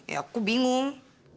ya aku bingung